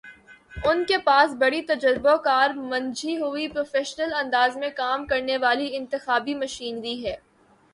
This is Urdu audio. ان کے پاس بڑی تجربہ کار، منجھی ہوئی، پروفیشنل انداز میں کام کرنے والی انتخابی مشینری ہے۔